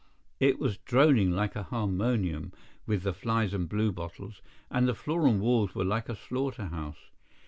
It was droning like a harmonium with the flies and bluebottles, and the floor and walls were like a slaughter house.